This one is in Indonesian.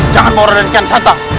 jangan bawa raden kian santang